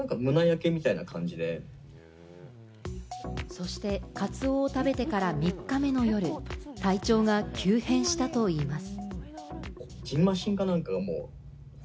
そしてカツオを食べてから３日目の夜、体調が急変したといいます。